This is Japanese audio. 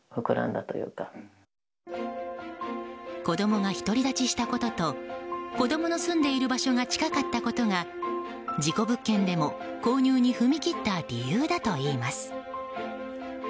子供が独り立ちしたことと子供の住んでいる場所が近かったことが、事故物件でも購入に踏み切った理由だといいます。